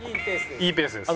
いいペースです。